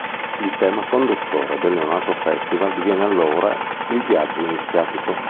Il tema conduttore del neonato Festival diviene allora "Il Viaggio Iniziatico".